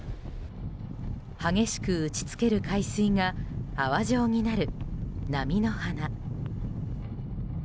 激しく打ち付ける海水が泡状になる波の花。